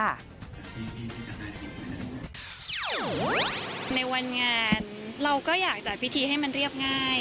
ในวันงานเราก็อยากจัดพิธีให้มันเรียบง่าย